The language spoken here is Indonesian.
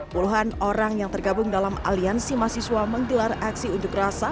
puluhan orang yang tergabung dalam aliansi mahasiswa menggelar aksi unjuk rasa